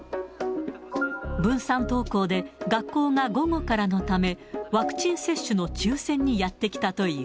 分散登校で学校が午後からのため、ワクチン接種の抽せんにやって来たという。